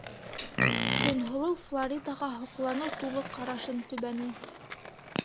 - Көнһылыу Флоридаға һоҡланыу тулы ҡарашын төбәне.